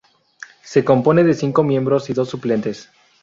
Se compone de cinco miembros y dos suplentes.